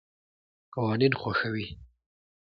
قوانین خوښوي.